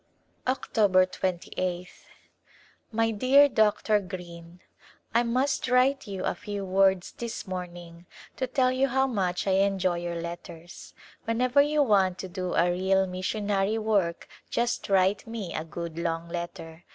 October 28th, My dear Dr. Greene : I must write you a few words this morning to tell you how much I enjoy your letters. Whenever you want to do a real missionary work just write me a good long letter.